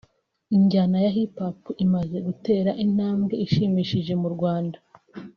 Injyana ya Hip hop imaze gutera intambwe ishimishije mu Rwanda